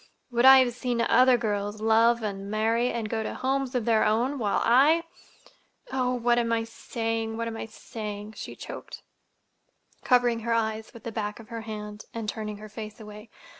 Would I have seen other girls love and marry and go to homes of their own, while I—Oh, what am I saying, what am I saying?" she choked, covering her eyes with the back of her hand, and turning her face away.